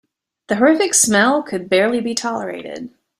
The horrific smell could barely be tolerated.